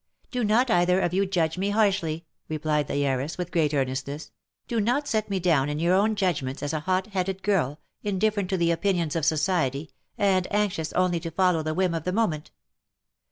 " Do not either of you judge me harshly," replied "the heiress, with great earnestness ; "do not set me down in your judgments as a hot headed girl, indifferent to the opinions of society, and anxious only to follow the whim of the moment.